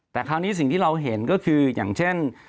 แต่คราวนี้สิ่งที่เราเห็นก็คืออย่างเช่น